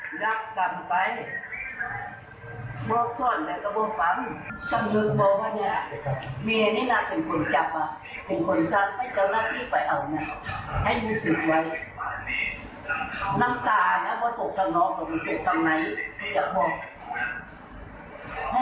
หวานภาพที่ถึงพวกให้โดยประการทั้งสามน้ำตาตกตากรออกเสียนตกไหนว่าจะโดยยังไง